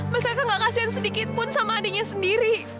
masih kak gak kasihan sedikit pun sama adiknya sendiri